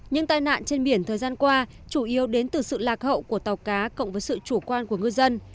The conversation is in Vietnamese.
những tai nạn trên biển thời gian qua chủ yếu đến từ sự lạc hậu của tàu cá cộng với sự chủ quan của ngư dân